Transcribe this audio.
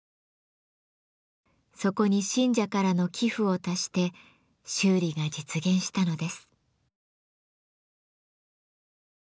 そこに信者からの寄付を足して修理が実現したのです。